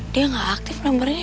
dia gak aktif nomernya